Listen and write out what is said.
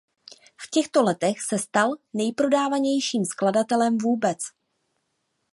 V těchto letech se stal nejprodávanějším skladatelem vůbec.